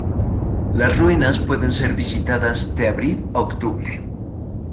Las ruinas pueden ser visitadas de abril a octubre.